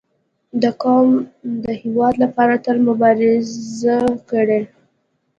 • دا قوم د هېواد لپاره تل مبارزه کړې.